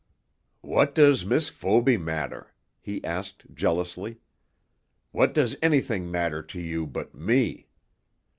"What does Miss Foby matter?" he asked jealously. "What does anything matter to you but me?